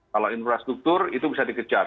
kalau infrastruktur itu bisa dikejar